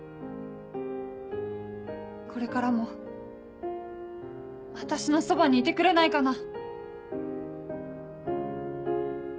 これからも私のそばにいてくれないかな。